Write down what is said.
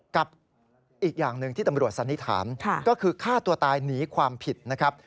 กับอีกอย่างหนึ่งที่ตำรวจสันนิษฐานก็คือฆ่าตัวตายหนีความผิดนะครับ